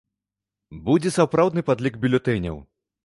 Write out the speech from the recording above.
Будзе сапраўдны падлік бюлетэняў.